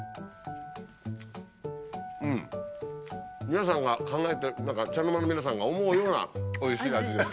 皆さんが考えてる何か茶の間の皆さんが思うようなおいしい味です。